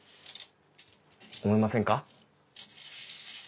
思いませんか？